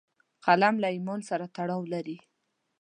قلم له ایمان سره تړاو لري